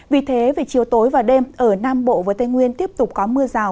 vì thế về chiều tối và đêm ở nam bộ và tây nguyên tiếp tục có mưa rào